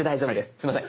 すいません。